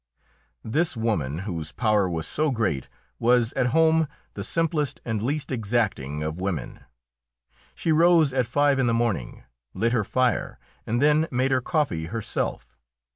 This woman, whose power was so great, was at home the simplest and least exacting of women. She rose at five in the morning, lit her fire, and then made her coffee herself.